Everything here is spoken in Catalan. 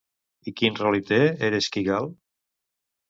I quin rol hi té Ereshkigal?